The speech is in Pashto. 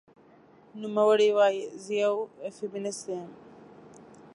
نوموړې وايي، "زه یوه فېمینیسټه یم